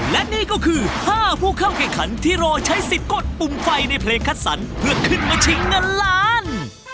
และนี่ก็คือ๕ผู้เข้าแข่งขันที่รอใช้สิทธิ์กดปุ่มไฟในเพลงคัดสรรเพื่อขึ้นมาชิงเงินล้าน